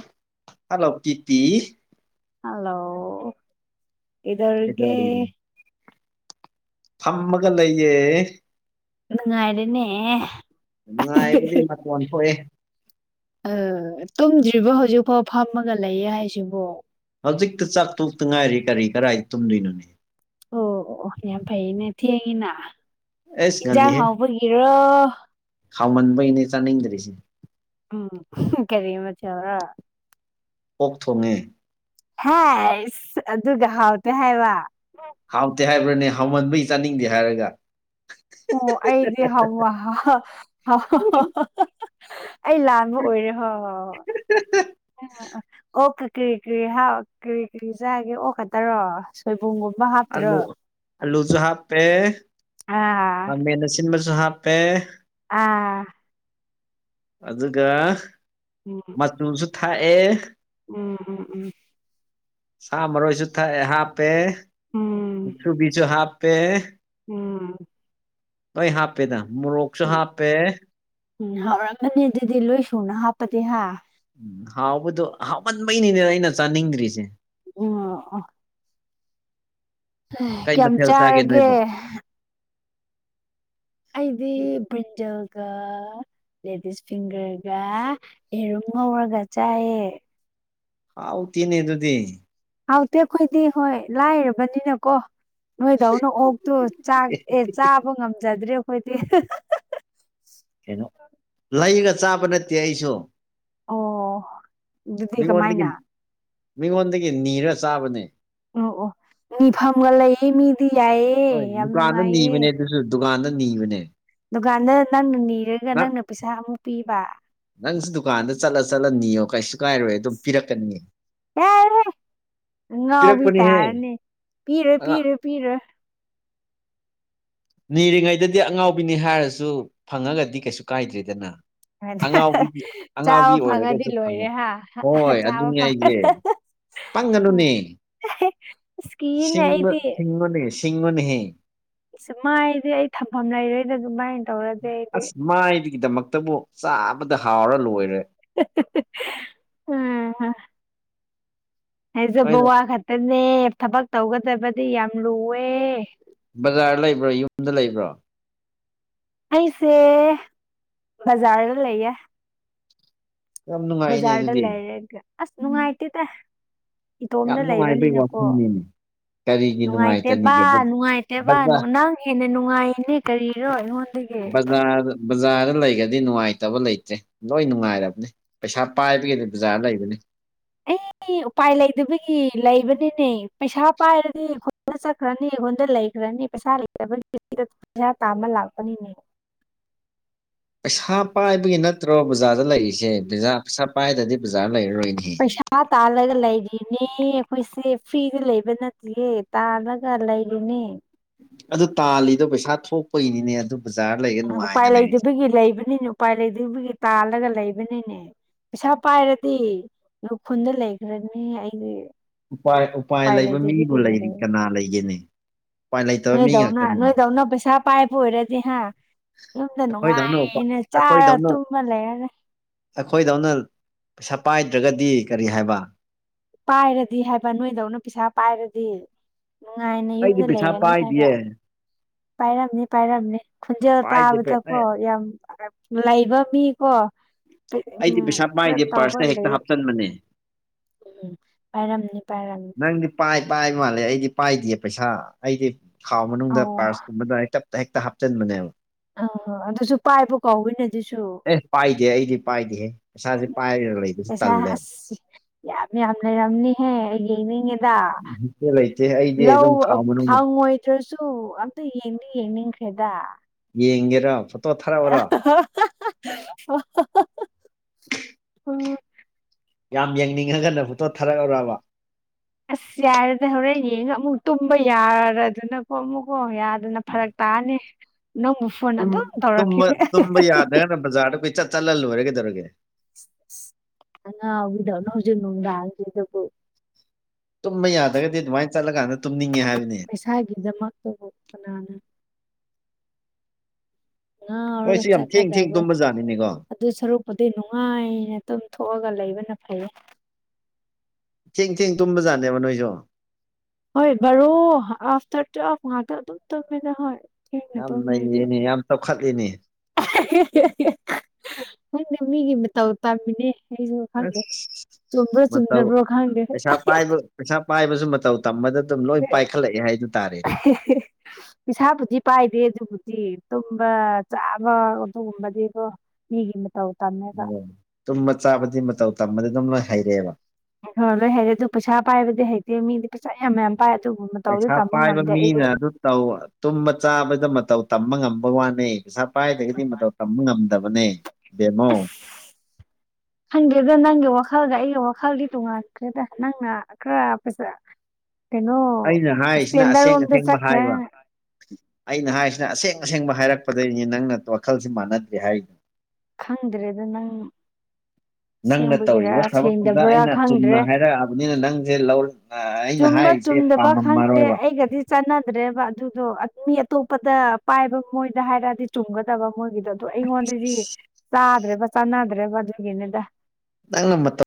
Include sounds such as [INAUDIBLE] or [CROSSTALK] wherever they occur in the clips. ꯑ ꯍꯜꯂꯣ ꯄꯤ ꯄꯤ ꯍꯜꯂꯣ ꯏꯔꯒꯦ ꯀꯩꯗꯧꯔꯤꯅꯣ ꯐꯝꯃꯒ ꯂꯩꯌꯦ ꯉꯥꯏꯗꯅꯦꯦ ꯅꯨꯡꯉꯥꯏꯕꯨꯗꯤ ꯃꯇꯣꯟ ꯊꯣꯛꯑꯦ ꯑ ꯇꯨꯝꯗ꯭ꯔꯤꯕ ꯍꯧꯖꯤꯛꯐꯥꯎ ꯐꯥꯝꯃꯒ ꯂꯩꯌꯦ ꯍꯥꯏꯁꯤꯕꯣ ꯍꯧꯖꯤꯛꯇ ꯆꯥꯛ ꯊꯣꯛꯇ ꯉꯥꯏꯔꯤ ꯀꯔꯤ ꯀꯗꯥꯏ ꯇꯨꯝꯗꯣꯏꯅꯣꯅꯦ ꯑꯣ ꯑꯣ ꯌꯥꯝ ꯐꯩ ꯅ ꯊꯦꯡꯉꯅ ꯑꯦꯁ ꯏꯖꯥꯡ ꯉꯜꯂꯤꯍꯦ ꯍꯥꯎꯕꯒꯤꯔ ꯍꯥꯎꯃꯟꯕꯩꯅꯦ ꯆꯥꯅꯤꯡꯗ꯭ꯔꯤꯁꯦ ꯎꯝ ꯀꯔꯤꯃ ꯆꯕꯔ ꯑꯣꯛ ꯊꯣꯡꯉꯤ ꯍꯦ ꯑꯗꯨꯒ ꯍꯥꯎꯇ ꯍꯥꯏ ꯋꯥ ꯅꯦ ꯍꯥꯎꯃꯟꯕꯩ ꯆꯥꯅꯤꯡꯗꯦ ꯍꯥꯏꯔꯒ ꯑꯣ ꯑꯩꯗꯤ ꯍꯥꯎꯋꯥ ꯑꯩ ꯂꯥꯟꯕ ꯑꯣꯏꯔꯦ ꯍꯣꯏ ꯍꯣꯏ ꯍꯣꯏ ꯑꯣꯀꯦ ꯀꯔꯤ ꯀꯔꯤ ꯀꯔꯤ ꯀꯔꯤ ꯆꯥꯒꯦ ꯑꯣꯀꯗꯔꯣ ꯁꯣꯏꯕꯨꯝꯒꯨꯝꯕ ꯍꯥꯞꯇ꯭ꯔꯣ ꯑꯂꯨ ꯑꯂꯨꯁꯨ ꯍꯥꯞꯄꯦ ꯑꯥ ꯈꯃꯦꯟꯗ ꯑꯁꯤꯟꯕꯁꯨ ꯍꯥꯞꯄꯦ ꯑꯥ ꯑꯗꯨꯒ ꯃꯆꯨꯁꯨ ꯊꯥꯛꯑꯦ ꯎꯝ ꯎꯝ ꯎꯝ ꯁꯥ ꯃꯔꯣꯏꯁꯨ ꯊꯛꯑꯦ ꯎꯝ ꯍꯥꯞꯄꯦꯁꯨꯨꯕꯤꯁꯨ ꯍꯥꯞꯄꯦ ꯎꯝ ꯑꯩꯩ ꯍꯥꯞꯄꯦꯗ ꯃꯣꯔꯣꯛꯁꯨ ꯎꯝ ꯍꯥꯞꯄꯦ ꯎꯝ ꯍꯧꯥꯎꯔꯛꯀꯅꯤ ꯑꯗꯨꯗꯤ ꯂꯣꯏ ꯁꯨꯅ ꯍꯥꯞꯄꯗꯤ ꯍꯥ ꯎꯝ ꯍꯥꯎꯕꯗꯣ ꯍꯥꯎꯃꯟꯕꯩꯅꯤꯅꯦꯅ ꯑꯩꯅ ꯆꯥꯅꯤꯡꯗ꯭ꯔꯤꯁꯦ ꯑ ꯑ ꯀꯩ ꯀꯌꯥꯝ ꯃꯊꯦꯜ ꯆꯥꯒꯦ ꯆꯥꯔꯒꯦ ꯅꯣꯏꯕꯣ ꯑꯩꯗꯤ ꯤꯟꯖꯜꯒ ꯂꯦꯗꯤꯁ ꯐꯤꯡꯒꯔꯒ ꯌꯦꯔꯨꯝ ꯉꯧꯔꯒ ꯆꯥꯏꯑ ꯍꯥꯎꯥꯎ ꯊꯤꯅꯦ ꯑꯗꯨꯗꯤ ꯍꯥꯎꯇꯦ ꯑꯩꯈꯣꯏꯗꯤ ꯍꯣꯏ ꯂꯥꯏꯔꯕꯅꯤꯅꯀꯣ ꯅꯣꯏꯗꯧꯅ ꯑꯣꯛꯇꯣꯥꯛ ꯑꯦ ꯆꯥꯕ ꯉꯝꯖꯗ꯭ꯔꯦ ꯑꯩꯈꯣꯏꯗꯤ ꯀꯩꯅꯣ ꯂꯩꯒ ꯆꯥꯕ ꯅꯠꯇꯦ ꯑꯩꯁꯨ ꯑꯣ ꯑꯗꯨꯗꯤ ꯃꯤꯉꯣꯟꯗꯒꯤ ꯀꯃꯥꯏꯅ ꯃꯤꯉꯣꯟꯗꯒꯤ ꯅꯤꯔ ꯆꯥꯕꯅꯦ ꯑꯣ ꯑꯣ ꯅꯤꯐꯝꯒ ꯂꯩꯌꯦ ꯃꯤꯗꯤ ꯌꯥꯏꯑꯦ ꯌꯥꯝ ꯅꯨꯡꯉꯥꯏꯌꯦ ꯀꯥꯟꯗ ꯅꯅꯤꯕꯅꯦ ꯗꯨꯀꯥꯟꯗ ꯅꯪꯅ ꯅꯤꯔꯒ ꯅꯪꯅ ꯄꯩꯁꯥ ꯑꯃꯨꯛ ꯄꯤꯕ ꯅꯪꯁꯨ ꯗꯨꯀꯥꯟꯗ ꯆꯠꯂ ꯆꯠꯂ ꯅꯤꯌꯣ ꯀꯩꯁꯨ ꯀꯥꯏꯔꯣꯏ ꯑꯗꯨꯝ ꯄꯤꯔꯛꯀꯅꯤ ꯉꯕꯤ ꯄꯤꯔꯛꯄꯅꯤꯍꯦ ꯇꯥꯔꯅꯤ ꯄꯤꯔꯦ ꯑꯉꯥ ꯄꯤꯔꯦ ꯄꯤꯔꯦ ꯅꯤꯔꯤꯉꯩꯗꯗꯤ ꯑꯉꯥꯎꯕꯤꯅꯤ ꯍꯥꯏꯔꯁꯨ ꯐꯪꯉꯒꯗꯤ ꯀꯩꯁꯨ ꯀꯥꯏꯗ꯭ꯔꯦꯗꯅ ꯑꯉꯥꯎꯕꯤꯒꯤ ꯑꯉꯥꯎꯕꯤ ꯆꯥꯕ ꯐꯪꯉꯗꯤ ꯑꯣꯏꯔꯒꯁꯨ ꯐꯪꯉꯦ ꯂꯣꯏꯔꯦ ꯍꯥ ꯍꯣꯏ ꯍꯣꯏ ꯆꯥꯕ ꯑꯗꯨꯅꯤ ꯑꯩꯁꯦ ꯐꯪꯉ ꯄꯪꯒꯅꯨꯅꯦ ꯑꯁ ꯀꯤꯌꯦꯅꯦ ꯑꯩꯗꯤ ꯤꯡꯉꯅꯤ ꯁꯤꯁꯤꯡꯉꯅꯤꯍꯦ ꯁ ꯃꯥꯏꯗꯤ ꯑꯩ ꯊꯝꯐꯝ ꯂꯩꯔꯣꯏꯗ ꯑꯗꯨꯃꯥꯏꯅ ꯇꯧꯔꯗꯤ ꯑꯩꯗꯤ ꯑꯁ ꯃꯥꯏꯒꯤꯗꯃꯛꯇꯕꯨ ꯆꯥꯕꯗ ꯍꯥꯎꯔ ꯂꯣꯏꯔꯦ ꯎꯝ ꯍꯥꯏꯖꯕ ꯅꯣꯏꯅ ꯋꯥ ꯈꯛꯇꯅꯦ ꯊꯕꯛ ꯇꯧꯒꯗꯕꯗꯤ ꯌꯥꯝ ꯂꯨꯑꯦ ꯕꯖꯥꯔ ꯂꯩꯕ꯭ꯔꯣ ꯌꯨꯝꯗ ꯂꯩꯕ꯭ꯔꯣ ꯑꯩꯁꯦ ꯖꯔ ꯂꯩꯦ ꯌꯥꯝ ꯅꯨꯡꯉꯥꯏꯅꯦ ꯕꯖꯥꯗ ꯑꯗꯨꯗꯤ ꯂꯩꯔꯒ ꯑꯁ ꯅꯅꯨꯡꯉꯥꯏꯇꯗꯦ ꯌꯥꯝ ꯏꯇꯣꯝꯗ ꯅꯨꯡꯉꯥꯏꯕꯩ ꯂꯩꯕꯅꯤꯅꯀꯣ ꯋꯥꯐꯝꯅꯤꯅꯦ ꯀꯔꯤꯒꯤ ꯅꯨꯡꯉꯥꯏꯇꯦꯕ ꯅꯨꯡꯉꯥꯏꯇꯅꯤꯒꯦ ꯅꯨꯡꯉꯥꯏꯇꯦꯕ ꯕꯖꯥꯔ ꯅꯪ ꯍꯦꯟꯅ ꯅꯨꯡꯉꯥꯏꯅꯦ ꯀꯔꯤꯔꯣ ꯑꯩꯉꯣꯟꯗ ꯖꯔ ꯖꯥ ꯂꯩ ꯗꯤ ꯅꯨꯡꯉꯥꯏꯇꯕ ꯂꯩꯇ꯭ꯔꯦ ꯂꯣꯏ ꯅꯨꯡꯉꯥꯏꯔꯕꯅꯦ ꯄꯩꯁꯥ ꯄꯥꯏꯕꯒꯤꯗꯤ ꯕꯖꯥꯔ ꯂꯩꯕꯅꯤ ꯑꯩ ꯎꯄꯥꯏ ꯂꯩꯗꯕꯒꯤ ꯂꯩꯕꯅꯤꯅꯦ ꯄꯩꯁꯥ ꯄꯥꯏꯔꯗꯤ ꯈ ꯆꯠꯈ꯭ꯔꯅꯤ ꯑꯩꯉꯣꯟꯗ ꯂꯩꯈ꯭ꯔꯅꯤ ꯄꯩꯁꯥ ꯂꯩꯕ ꯄꯩꯁꯥ ꯇꯥꯃ ꯂꯥꯛꯄꯅꯤꯅꯦ ꯄꯩꯁꯥ ꯄꯥꯏꯕꯒꯤ ꯅꯠꯇ꯭ꯔꯣ ꯕꯖꯥꯔꯗ ꯂꯩꯔꯤꯁꯦꯥ ꯄꯩꯁꯥ ꯄꯥꯏꯗꯗꯤ ꯕꯖꯥꯔ ꯂꯩꯔꯔꯣꯏꯅꯦꯍꯦ ꯄ꯭ꯔꯁꯥ ꯇ ꯑꯂꯒ ꯂꯩꯒ ꯅꯦ ꯑꯩꯈꯣꯏꯁꯦ ꯐ꯭ꯔꯤꯗ ꯂꯩꯕ ꯅꯠꯇ꯭ꯌꯦ ꯇꯥꯜꯂꯒ ꯂꯩꯔꯤꯅꯦ ꯑꯗꯨ ꯇꯥꯜꯂꯤꯗꯣ ꯄꯩꯁꯥ ꯊꯣꯛꯄꯩꯅꯤꯅꯦ ꯑꯗꯨꯝ ꯎꯄꯥꯏ ꯂꯩꯇꯕꯒꯤ ꯂꯩꯕꯅꯤꯅ ꯎꯄꯥꯏ ꯂꯩꯗꯕꯒꯤ ꯇꯥꯜꯜꯂꯤ ꯆꯠꯂꯒ ꯂꯩꯕꯅꯤꯅꯦ ꯄꯩꯁꯥ ꯄꯥꯏꯔꯗꯤ ꯈꯨꯟꯗ ꯂꯩꯈ꯭ꯔꯅꯤ ꯑꯩꯒꯤ ꯎꯄꯥꯏ ꯂꯩꯕ ꯃꯤꯗꯨ ꯂꯩꯔꯤ ꯀꯅꯥ ꯂꯩꯒꯦꯅꯤ ꯅꯣꯏꯗꯎꯅ ꯅꯣꯏꯗꯧꯅ ꯄꯩꯁꯥ ꯄꯥꯏ ꯄ ꯑꯣꯏꯔꯦꯗꯤꯦ ꯍꯥ ꯌꯨꯝꯗ ꯑꯩꯈꯣꯏꯗꯧꯅ ꯎꯄꯥꯏ ꯅꯨꯡꯉꯥꯏꯅꯦ ꯆꯥꯔ ꯑꯩꯈꯣꯏꯗꯧꯅ ꯇꯨꯝꯃ ꯂꯩꯔꯔꯦ ꯑꯩꯈꯣꯏꯗꯧꯅ ꯄꯩꯁꯥ ꯄꯥꯏꯗ꯭ꯔꯒꯗꯤ ꯀꯔꯤ ꯍꯥꯏꯕ ꯄꯥꯏꯔꯗꯤ ꯍꯥꯏꯕ ꯅꯣꯏꯗꯧꯅ ꯄꯩꯁꯥ ꯄꯥꯏꯔꯗꯤ ꯅꯨꯡꯉꯥꯏꯅ ꯑꯩꯗꯤ ꯌꯨꯝꯗ ꯄꯩꯁꯥ ꯂꯩꯔꯅꯤ ꯍꯥꯏꯕ ꯄꯥꯏꯗꯤꯌꯦ ꯄꯥꯏꯔꯝꯅꯤ ꯄꯥꯏꯔꯝꯅꯤ ꯈꯣꯟꯖꯦꯜ ꯄꯥꯏꯗꯦ ꯄꯩ- ꯇꯥꯕꯗꯀꯣ ꯑꯩ- ꯌꯥꯝ ꯂꯩꯕ ꯃꯤꯀꯣ ꯑꯩꯗꯤ ꯎꯝ ꯄꯩꯁꯥ ꯈꯔ ꯄꯥꯏꯗꯦ ꯇꯒ ꯄꯥꯔꯁꯇ ꯍꯦꯛꯇ ꯂꯩ ꯍꯥꯞꯆꯟꯕꯅꯦ ꯎꯝ ꯄꯥꯏꯔꯝꯅꯤ ꯄꯥꯏꯔꯝꯅꯤ ꯅꯪꯗꯤ ꯄꯥꯏ ꯄꯥꯏ ꯃꯥꯜꯂꯦ ꯑꯩꯗꯤ ꯄꯥꯏꯗꯌꯦ ꯄꯩꯁꯥ ꯑꯩꯗꯤ ꯈꯥꯎ ꯃꯅꯨꯡꯗ ꯑꯧ ꯄꯥꯔꯁꯀꯨꯝꯕꯗ ꯍꯦꯛꯇꯞꯇ ꯍꯦꯛꯇ ꯍꯥꯞꯆꯤꯟꯕꯅꯦꯕ ꯑ ꯑꯗꯨꯁꯨ ꯄꯥꯏꯕ ꯀꯥꯎꯋꯅ ꯑꯗꯨꯁꯨ ꯑꯦ ꯄꯥꯏꯗꯦ ꯑꯩꯗꯤ ꯄꯥꯏꯗꯦꯍꯦ ꯄꯩꯁꯥꯁꯦ ꯄꯥꯏꯔꯒ ꯂꯩꯕꯁꯤ ꯄꯩꯁꯥ ꯑ ꯇꯜꯂꯦꯕ ꯌꯥꯝ ꯌꯥꯝ ꯂꯩꯔꯝꯅꯤ ꯍꯦ ꯃꯤꯦꯗ ꯂꯩꯇꯦ ꯂꯩꯇꯦ ꯑꯩꯗꯤ ꯑꯗꯨꯝ ꯂꯧ ꯈꯥꯎ ꯃꯅꯨꯡꯗ ꯐꯪꯉꯣꯏꯗ꯭ꯔꯁꯨ ꯑꯝꯇ ꯌꯦꯡꯗꯤ ꯌꯦꯡꯅꯤꯡꯈ꯭ꯔꯦꯗ ꯌꯦꯡꯒꯦꯔꯣ ꯐꯣꯇꯣ ꯊꯥꯔꯛꯎꯔꯣ [UNINTELLIGIBLE] [UNINTELLIGIBLE] ꯑꯣ ꯌꯥꯝ ꯌꯦꯡꯅꯤꯡꯉꯒꯅ ꯐꯣꯇꯣ ꯊꯥꯔꯛꯂꯔꯕ ꯑꯁ ꯌꯥꯏꯔꯗꯤ ꯍꯣꯔꯦꯟꯅꯦ ꯑꯃꯨꯛ ꯇꯨꯝꯕ ꯌꯥꯔꯗꯅꯀꯣ ꯑꯃꯨꯛꯀꯣ ꯑꯗꯨꯅ ꯐꯔꯛ ꯇꯥꯅꯤ ꯅꯪꯕꯨ ꯐꯣꯟ ꯑꯗꯨꯝ ꯕ ꯇꯧꯔꯛꯈꯤꯅꯤ ꯇꯨꯝꯕ ꯌꯥꯗ꯭ꯔꯒꯅ ꯕꯖꯥꯔꯗ ꯄꯩ ꯆꯠ ꯆꯠꯍꯜꯂꯣꯏꯔꯒꯩꯗꯧꯔꯒꯦ ꯑꯉꯗꯧꯅ ꯍꯧꯖ ꯅꯣꯡꯒꯥꯦꯗ ꯇꯨꯝ ꯌꯥꯗꯒꯗꯤꯃꯥꯏ ꯆꯠꯂꯒꯥꯟꯅ ꯄꯩꯁꯥꯒꯤꯗꯃꯛꯇꯕꯨ ꯀꯅꯥꯅꯣ ꯑ ꯅꯣꯏꯁꯨ ꯌꯥꯝ ꯊꯦꯡ ꯊꯦꯡ ꯋꯥꯔꯒꯁꯀꯗꯕ ꯇꯨꯝꯕꯖꯥꯠꯅꯤꯅꯦꯀꯣ ꯑꯗꯨ ꯁꯔꯨꯛꯄꯨꯗꯤ ꯅꯨꯡꯉꯥꯏꯅ ꯑꯗꯨꯝ ꯊꯣꯛꯑꯒ ꯂꯩꯕꯅ ꯐꯩꯌꯦ ꯊꯦꯡ ꯆꯦꯡ ꯇꯨꯝꯕꯖꯥꯠꯅꯦꯕ ꯅꯣꯏꯁꯨ ꯍꯣꯏ ꯕꯔꯣ ꯑꯐꯇꯔ ꯇꯋꯒ ꯑꯗꯨ ꯍ ꯌꯥꯝ ꯂꯩꯌꯦꯅꯦ ꯌꯥꯝ ꯆꯥꯎꯈꯠꯂꯤꯅꯦ ꯅꯪꯗꯤ ꯃꯤꯒꯤ ꯃꯇꯧ ꯇꯝꯃꯤꯅꯦ ꯑꯁ ꯈꯪꯦ ꯃꯇꯧ ꯄꯩꯁꯥ ꯄꯥꯏꯕ ꯄꯩꯁꯥ ꯄꯥꯏꯕꯁꯨ ꯃꯇꯧ ꯇꯝꯕꯗ ꯑꯗꯨꯝ ꯂꯣꯏ ꯄꯥꯏꯈꯠꯂꯛꯑꯦ ꯍꯥꯏꯗꯨꯅ ꯄꯩꯁꯥꯕꯨꯗꯤ ꯄꯥꯏꯗꯦ ꯑꯗꯨꯕꯨꯗꯤ ꯇꯨꯝꯕ ꯆꯥꯕ ꯑꯗꯨꯒꯨꯝꯕꯗꯤꯀꯣ ꯃꯤꯒꯤ ꯃꯇꯧ ꯇꯝꯃꯦꯕ ꯑꯣ ꯇꯨꯝꯕ ꯆꯥꯕꯗꯤ ꯃꯇꯧ ꯇꯝꯕꯗꯤ ꯑꯗꯨꯝ ꯂꯣꯏ ꯍꯩꯔꯛꯑꯦꯕ ꯍꯣꯏ ꯂꯣꯏ ꯍꯥꯏꯔꯦ ꯑꯗꯨ ꯄꯩꯁꯥ ꯄꯥꯏꯕꯗꯤ ꯍꯥꯏꯩꯇꯦ ꯃꯤꯗꯤ ꯄꯩꯁꯥ ꯌꯥꯝ ꯃꯌꯥꯝ ꯄꯩꯁꯥ ꯄꯥꯏꯕ ꯃꯤꯅ ꯑꯗꯨ ꯇ ꯇꯨꯝꯕ ꯆꯥꯕꯗ ꯃꯇꯧ ꯇꯝꯕ ꯉꯝꯕ ꯋꯥꯅꯦꯩ ꯄꯩꯁꯥ ꯄꯥꯏꯗꯒꯤꯗꯤ ꯃꯇꯧ ꯇꯝꯕ ꯉꯝꯗꯕꯅꯦ ꯕꯦꯃꯣ ꯍꯪꯦ ꯅꯪꯦ ꯋꯥꯈꯜꯒ ꯑꯩꯒ ꯋꯥꯈꯥꯜꯗꯤ ꯇꯉꯇ꯭ꯔꯦꯗ ꯅꯪꯅ ꯈꯔ ꯄꯩꯁꯥ ꯀꯩꯅꯣ ꯑꯩꯅ ꯍꯥꯏꯔꯤꯁꯤꯅ ꯏꯁꯇꯦꯟꯗꯔ ꯑꯁꯦꯡ ꯔꯣꯝꯗ ꯑꯁꯦꯡꯕ ꯆꯠꯈ꯭ꯔꯦ ꯍꯥꯏꯕ ꯑꯩꯅ ꯍꯥꯏꯔꯤꯁꯤ ꯁꯤ ꯑꯁꯦꯡ ꯑꯁꯦꯡꯕ ꯍꯥꯏꯔꯛꯄꯗꯒꯤꯩꯅꯤ ꯅꯪꯅ ꯋꯥꯈꯜꯁꯤ ꯃꯥꯟꯅꯗ꯭ꯔꯤ ꯍꯥꯏꯔꯤꯅꯤ ꯈꯪꯗ꯭ꯔꯦꯗ ꯅꯪ ꯅꯪꯅ ꯑꯁꯦꯡꯕꯒꯤꯔ ꯇꯧꯔꯤꯕ ꯊꯕꯛꯇꯨꯗ ꯁꯦꯡꯗꯕ꯭ꯔꯥ ꯑꯩꯅ ꯆꯨꯝꯅ ꯈꯪꯗ꯭ꯔꯦ ꯍꯥꯏꯔꯛꯑꯕꯅꯤꯅ ꯅꯪꯁꯦ ꯂꯧ ꯑꯩꯅ ꯍꯥꯏꯔꯤꯁꯦ ꯗ ꯄ ꯈꯪꯗꯦ ꯄꯥꯝꯃꯝꯃꯔꯣꯏꯕ ꯑꯩꯒꯗꯤ ꯆꯥꯟꯅꯗ꯭ꯔꯦꯕ ꯑꯗꯨꯗꯣ ꯑꯇꯣꯞꯄꯗ ꯄꯥꯏꯕ ꯃꯣꯏꯗ ꯍꯥꯏꯔꯗꯤ ꯆꯨꯝꯒꯗꯕ ꯃꯣꯏꯒꯤꯗꯣ ꯑꯗꯨꯗꯣ ꯑꯩꯉꯣꯟꯗꯗꯤ ꯗ꯭ꯔꯦ ꯁꯥꯟꯗ꯭ꯔꯦ ꯃꯒꯦꯅꯗ ꯅꯪꯅ ꯃꯇ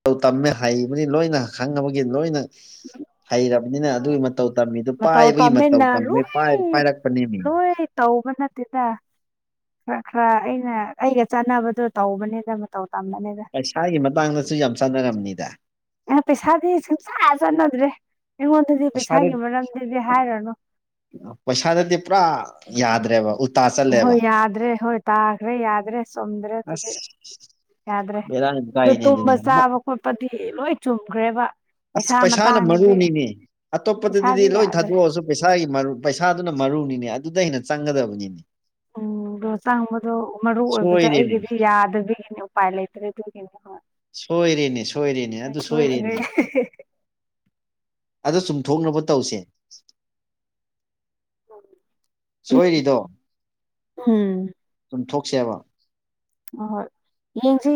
ꯃꯇ ꯇꯝꯃꯦ ꯍꯩꯕꯅꯤ ꯂꯣꯏꯅ ꯈꯪꯕꯒꯤ ꯂꯣꯏꯅ ꯎ ꯍꯩꯔꯕꯅꯤꯅ ꯑꯗꯨꯒꯤ ꯃꯇꯧ ꯇꯝꯃꯤꯗꯨ ꯄꯥꯏꯕꯒꯤ ꯃꯇꯧ ꯇꯝꯃꯤꯟꯅ ꯇꯝꯃꯤꯣꯏ ꯂꯣꯏ ꯄꯥꯏꯔꯛꯄꯅꯦ ꯃꯤ ꯂꯣꯏ ꯇꯧꯕ ꯅꯠꯇꯦꯗ ꯈꯔ ꯈꯔ ꯑꯩꯅ ꯑꯩꯒ ꯆꯥꯟꯅꯕꯗꯣ ꯇꯧꯕꯅꯦꯅ ꯇꯧ ꯄꯩꯁꯥꯒꯤ ꯃꯇꯥꯡꯗꯁꯨ ꯌꯥꯝ ꯆꯥꯟꯅꯔꯝꯅꯤꯗ ꯑ ꯄꯤꯁꯥꯕꯤꯁꯖꯅꯗ꯭ꯔꯦ ꯑꯩꯉꯣꯟꯗꯗꯤ ꯄꯩꯁꯥꯗ ꯄꯩꯁꯥꯒꯤ ꯃꯔꯝꯗꯗꯤ ꯍꯥꯏꯔꯅꯨ ꯄꯩꯁꯥꯗꯗꯤ ꯄꯨꯔꯥ ꯌꯥꯗ꯭ꯔꯦꯕ ꯍꯣꯏ ꯆꯠꯂꯦꯕ ꯌꯥꯗ꯭ꯔꯦ ꯍꯣꯏ ꯇꯥꯈ꯭ꯔꯦ ꯌꯥꯗ꯭ꯔꯦ ꯆꯣꯝꯗ꯭ꯔꯦ ꯑꯁ ꯑꯗꯨꯗꯤ ꯌꯥꯗ꯭ꯔꯦ ꯕꯦꯔꯥ ꯌꯥꯝ ꯑꯗꯨ ꯀꯥꯏꯅꯦ ꯇꯨꯝꯕ ꯑꯗꯨꯅꯦ ꯆꯥꯕ ꯈꯣꯠꯄꯗꯤ ꯂꯣꯏ ꯆꯨꯝꯈ꯭ꯔꯦꯕ ꯑꯁ ꯄꯩꯁꯥ ꯄꯩꯁꯥꯅ ꯃꯇꯥꯡꯗꯗꯤ ꯃꯔꯨꯅꯤꯅꯦ ꯑꯇꯣꯞꯄꯗꯗꯤ ꯄꯩꯁꯥꯗꯤ ꯂꯣꯏ ꯌꯥꯗ꯭ꯔꯦ ꯊꯥꯗꯣꯛꯑꯁꯨ ꯄꯩꯁꯥꯒꯤ ꯃꯔꯨ ꯄꯩꯁꯥꯗꯨꯅ ꯃꯔꯨꯅꯤꯅꯦ ꯑꯗꯨꯗ ꯑꯩꯅ ꯆꯪꯒꯗꯕꯅꯤꯅꯦ ꯑꯣ ꯑꯗꯣ ꯆꯥꯡꯕꯗꯣ ꯃꯔꯨꯑꯣꯕꯗ ꯁꯣꯏꯔꯦꯅꯦ ꯑꯩꯒꯤꯗꯤ ꯌꯥꯗꯕꯤꯒꯤꯅꯤ ꯎꯄꯥꯏ ꯂꯩꯇ꯭ꯔꯦ ꯑꯗꯨꯒꯤꯅꯤ ꯍꯣꯏ ꯁꯣꯏꯔꯤꯅꯦ ꯁꯣꯏꯔꯅꯦ ꯑꯗꯨ ꯁꯣꯏꯈ꯭ꯔꯦ ꯁꯣꯏꯔꯦꯅꯦ ꯑꯗ ꯆꯨꯝꯊꯣꯛꯅꯕ ꯇꯧꯁꯦ [UNINTELLIGIBLE] ꯁꯣꯏꯔꯤꯗꯣ ꯎꯝ ꯆꯨꯝꯊꯣꯛꯁꯦꯕ ꯑ ꯍꯣꯏ ꯌꯦꯡꯁꯤ